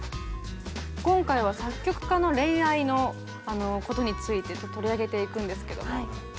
今回は作曲家の恋愛のことについて取り上げていくんですけどもどうですか？